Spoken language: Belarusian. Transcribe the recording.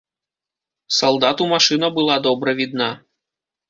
Салдату машына была добра відна.